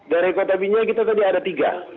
dari kota ginjal kita tadi ada tiga